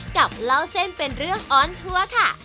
กับเล่าเส้นเป็นเรื่องออนทัวร์ค่ะ